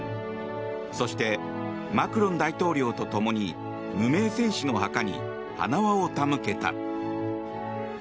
そして、マクロン大統領と共に無名戦士の墓に花輪を手向けた。